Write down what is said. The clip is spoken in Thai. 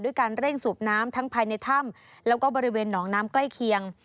การเร่งสูบน้ำทั้งภายในถ้ำแล้วก็บริเวณหนองน้ำใกล้เคียง